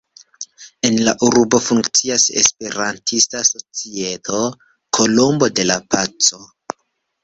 En la urbo funkcias Esperantista societo "Kolombo de la paco".